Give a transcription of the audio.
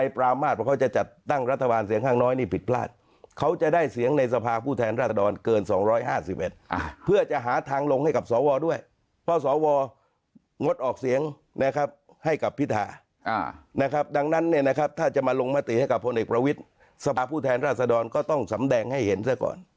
พระวิทย์สภาผู้แทนราษฎรก็ต้องสำแดงให้เห็นซะก่อน